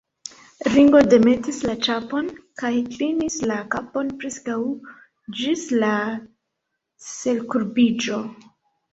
Ringo demetis la ĉapon kaj klinis la kapon preskaŭ ĝis la selkurbiĝo.